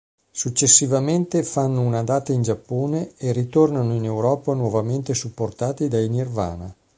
Successivamente fanno una data in Giappone e ritornano in Europa nuovamente supportati dai Nirvana.